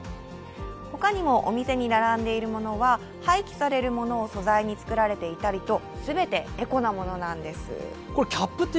他にもお店に並んでいるものは、廃棄されるものを素材に作られた全てエコなものなんです。